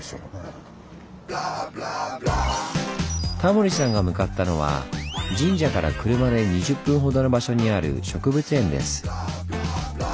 タモリさんが向かったのは神社から車で２０分ほどの場所にある植物園です。